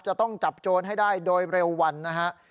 จะต้องจับโจรให้ได้โดยเร็ววันนะฮะ